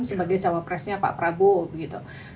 sebagai cawapresnya pak prabowo begitu